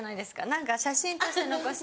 何か写真として残したい。